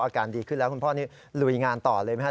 อาการดีขึ้นแล้วคุณพ่อนี้ลุยงานต่อเลยไหมครับ